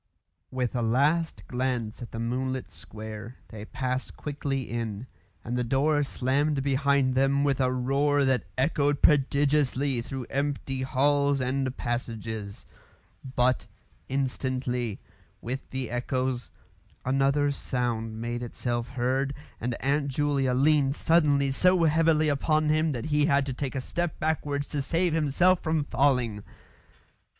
With a last glance at the moonlit square, they passed quickly in, and the door slammed behind them with a roar that echoed prodigiously through empty halls and passages. But, instantly, with the echoes, another sound made itself heard, and Aunt Julia leaned suddenly so heavily upon him that he had to take a step backwards to save himself from falling.